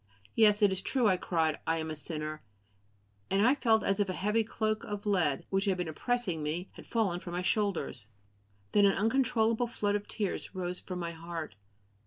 Yes, it is true, I cried, I am a sinner, and I felt as if a heavy cloak of lead which had been oppressing me had fallen from my shoulders; then an uncontrollable flood of tears rose from my heart."